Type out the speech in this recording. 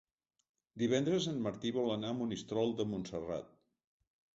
Divendres en Martí vol anar a Monistrol de Montserrat.